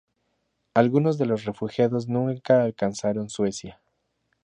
Algunos de los refugiados nunca alcanzaron Suecia.